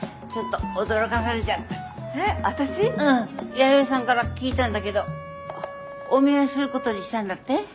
弥生さんから聞いたんだけどお見合いすることにしたんだって？